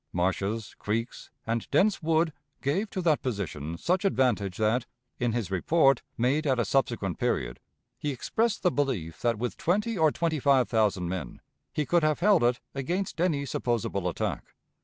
Marshes, creeks, and dense wood gave to that position such advantage that, in his report, made at a subsequent period, he expressed the belief that with twenty or twenty five thousand men he could have held it against any supposable attack.